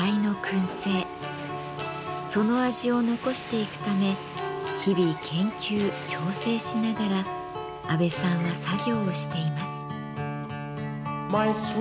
その味を残していくため日々研究調整しながら安倍さんは作業をしています。